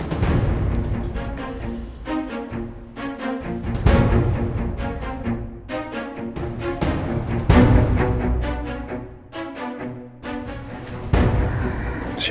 itu bukan keramik